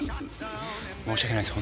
申し訳ないです